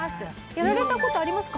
やられた事ありますか？